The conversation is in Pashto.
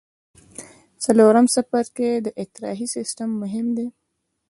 د څلورم څپرکي د اطراحي سیستم مهم دی.